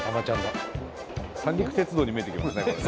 三陸鉄道に見えてきますね